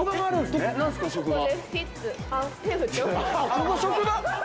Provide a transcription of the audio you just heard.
ここ職場？